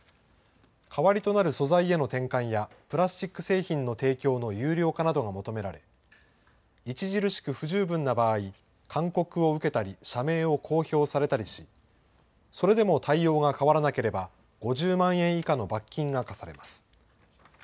代わりとなる素材への転換や、プラスチック製品の提供の有料化などが求められ、著しく不十分な場合、勧告を受けたり、社名を公表されたりし、それでも対応が変わらなければ、５０万円以下の罰金が科せられます。